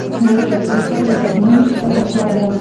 منی د افغانستان یوه طبیعي ځانګړتیا ده.